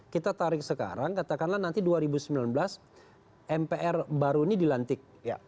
kita tarik sekarang katakanlah nanti dua ribu sembilan belas mpr baru ini dilantik